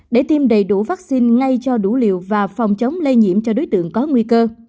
để tiêm đầy đủ vaccine ngay cho đủ liều và phòng chống lây nhiễm cho đối tượng có nguy cơ